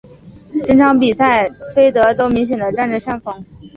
整场比赛菲德都明显的占着上风。